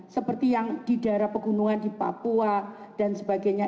seperti yang di daerah pegunungan di papua dan sebagainya